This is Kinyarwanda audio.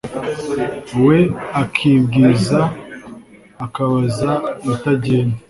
we akibwiriza akabaza ibitagenda